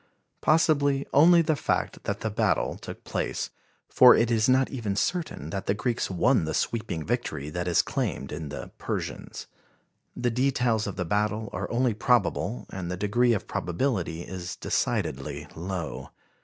Possibly only the fact that the battle took place, for it is not even certain that the Greeks won the sweeping victory that is claimed in the "Persians." The details of the battle are only probable, and the degree of probability is decidedly low.